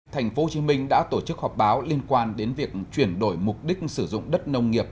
thành phố hồ chí minh đã tổ chức họp báo liên quan đến việc chuyển đổi mục đích sử dụng đất nông nghiệp